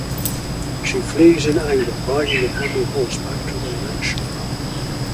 She flees in anger, riding the family horse back to their mansion.